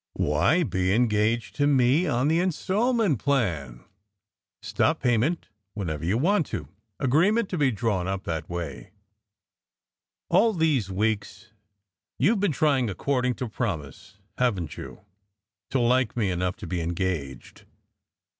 "Why, be engaged to me on the instalment plan. Stop payment whenever you want to. Agreement to be drawn SECRET HISTORY 209 up that way. All these weeks you ve been trying, ac cording to promise, haven t you, to like me enough to be engaged?